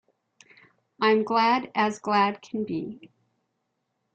I’m glad as glad can be.